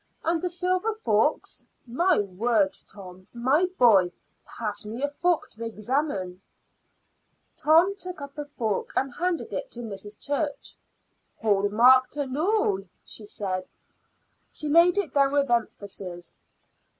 And the silver forks. My word! Tom, my boy, pass me a fork to examine." Tom took up a fork and handed it to Mrs. Church. "Hall marked and all!" she said. She laid it down with emphasis.